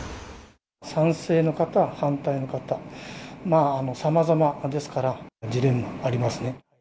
賛成の方、反対の方、さまざまですから、ジレンマはありますね。